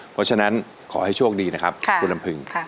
เพราะฉะนั้นขอให้โชคดีนะครับคุณลำพึง